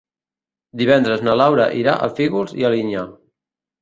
Divendres na Laura irà a Fígols i Alinyà.